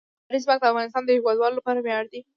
لمریز ځواک د افغانستان د هیوادوالو لپاره ویاړ دی.